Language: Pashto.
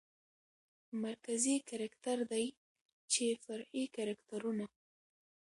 مرکزي کرکتر دى چې فرعي کرکترونه